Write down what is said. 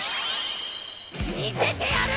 見せてやる！